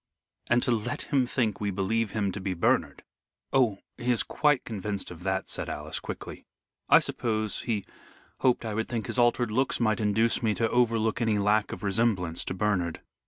"And to let him think we believe him to be Bernard." "Oh, he is quite convinced of that," said Alice, quickly. "I suppose he hoped I would think his altered looks might induce me to overlook any lack of resemblance to Bernard."